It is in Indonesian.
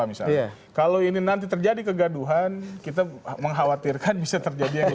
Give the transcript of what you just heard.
kita bisa melihat sekarang contoh saja negara kita sekarang terhadap dolar saja nilai mata rupiah sudah berharga